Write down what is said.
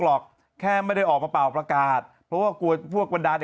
หรอกแค่ไม่ได้ออกมาเป่าประกาศเพราะว่ากลัวพวกบรรดา